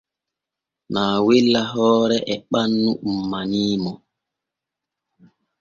Naawella hoore e ɓannu ummanii mo.